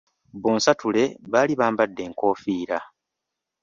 Bonsatule baali bambadde enkofiira.